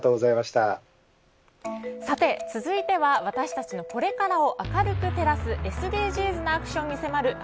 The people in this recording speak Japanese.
さて続いては私たちのこれからを明るく照らすＳＤＧｓなアクションに迫る＃